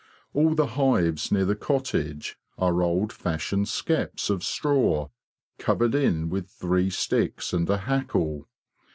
All the hives near the cottage are old fashioned skeps of straw, covered in with three sticks and a hackle.